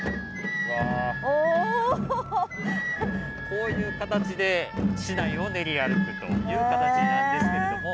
こういう形で市内を練り歩くという形なんですけれども。